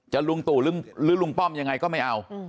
ลุงตู่หรือลุงป้อมยังไงก็ไม่เอา